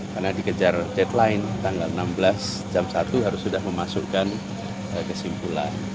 karena dikejar deadline tanggal enam belas jam satu harus sudah memasukkan kesimpulan